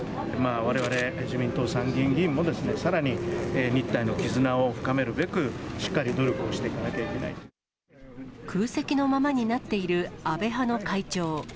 われわれ自民党参議院議員もさらに日台の絆を深めるべく、しっか空席のままになっている安倍派の会長。